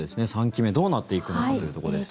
３期目どうなっていくのかというところです。